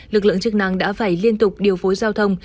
lực lượng chức năng đã phải liên tục điều phối giao thông